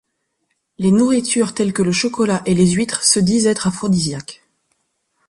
Les nourritures telles que le chocolat et les huîtres se disent être aphrodisiaques.